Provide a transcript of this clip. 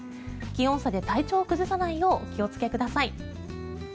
気温差で体調を崩さないようお気をつけください。